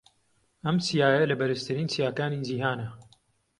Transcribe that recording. ئەم چیایە لە بەرزترین چیاکانی جیھانە.